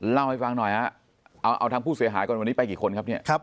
เล่าให้ฟังหน่อยฮะเอาทางผู้เสียหายก่อนวันนี้ไปกี่คนครับเนี่ย